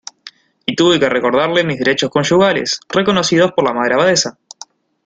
y tuve que recordarle mis derechos conyugales, reconocidos por la Madre Abadesa.